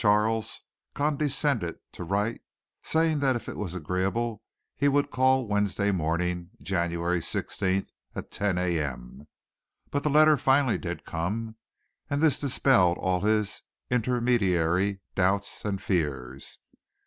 Charles condescended to write saying that if it was agreeable he would call Wednesday morning, January 16th, at 10 A. M., but the letter finally did come and this dispelled all his intermediary doubts and fears.